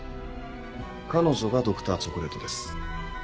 彼女がＤｒ．チョコレートです。